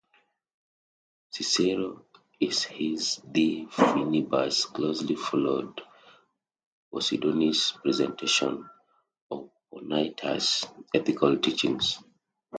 Cicero in his "De Finibus" closely followed Posidonius's presentation of Panaetius's ethical teachings.